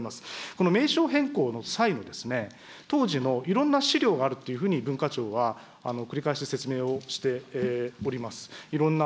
この名称変更の際にですね、当時のいろんな資料があるというふうに文化庁は繰り返し説明をしております。